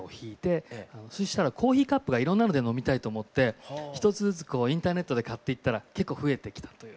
そしたらコーヒーカップがいろんなので飲みたいと思って１つずつインターネットで買っていったら結構増えてきたという。